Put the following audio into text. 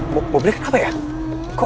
sekarang ini kesempatan aku